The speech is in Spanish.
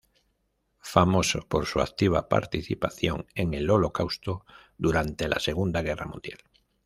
Famoso por su activa participación en el Holocausto durante la Segunda Guerra Mundial.